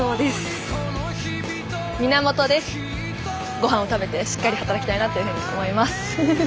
ごはんを食べてしっかり働きたいなっていうふうに思います。